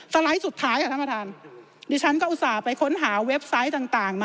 สไลด์สุดท้ายค่ะท่านประธาน